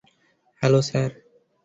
Hello, sir.